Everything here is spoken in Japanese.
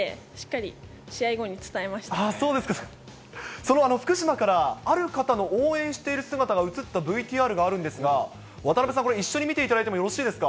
その福島からある方の応援している姿が映ったＶＴＲがあるんですが、渡辺さん、これ、一緒に見ていただいてもよろしいですか。